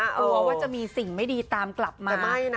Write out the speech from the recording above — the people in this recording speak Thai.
กลัวว่าจะมีสิ่งไม่ดีตามกลับมาไม่นะ